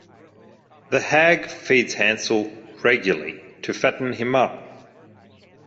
The hag feeds Hansel regularly to fatten him up.